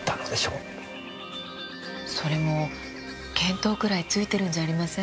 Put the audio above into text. それも見当くらい付いてるんじゃありません？